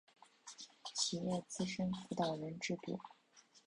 企业资深辅导人制度